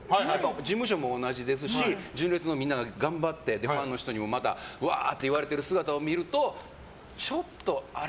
事務所も同じですし純烈のみんなが頑張ってファンの人にわーって言われている姿を見るとちょっと、あれ？